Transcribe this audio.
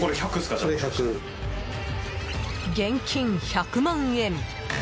現金１００万円。